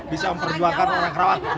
bisa memperjuangkan orang kerawang